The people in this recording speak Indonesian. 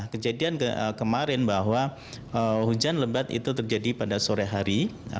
kejadian kemarin bahwa hujan lebat itu terjadi pada sore hari